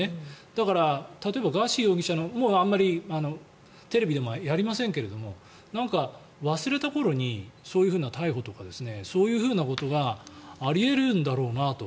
だから、例えばガーシー容疑者のもう、あまりテレビでもやりませんけどもなんか忘れた頃にそういう、逮捕とかそういうことがあり得るんだろうなと。